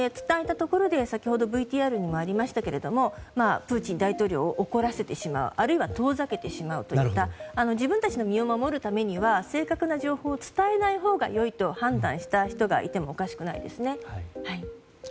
伝えたところで先ほどＶＴＲにもありましたけれどもプーチン大統領を怒らせてしまうあるいは遠ざけてしまうといった自分たちの身を守るためには正確な情報を伝えないほうがいいと判断した人がいてもおかしくないですね。